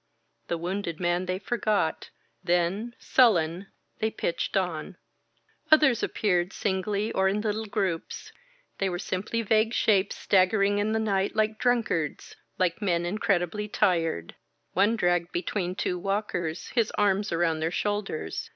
The wounded man they forgot. Then, sullen, they pitched on. ... Others appeared, singly, or in little groups. They were simply vague shapes staggering in the night, like drunkards, Hke men incredibly tired. One dragged be tween two walkers, his arms around their shoulders.